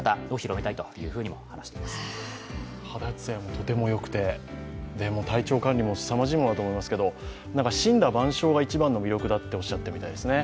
肌つやもとても良くて体調管理もすさまじいですけど森羅万象が一番の魅力だとおっしゃっているみたいですね。